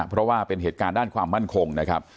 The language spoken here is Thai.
เพราะว่าเป็นเหตุการณ์ด้านความมั่นคงนะครับ